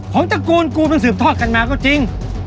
ผงตัชกลกูเป็นศือมทอดกันมาก็จริง